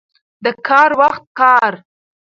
د کار وخت کار.